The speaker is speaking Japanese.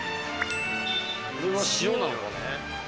これは塩なのかな？